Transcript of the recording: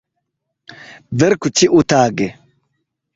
Verku ĉiutage!